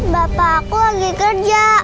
bapak aku lagi kerja